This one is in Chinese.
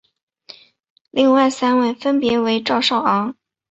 另外三位分别为赵少昂。